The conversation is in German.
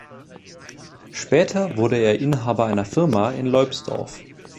Später wurde er Inhaber einer Firma in Leubsdorf.